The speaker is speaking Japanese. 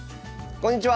こんにちは！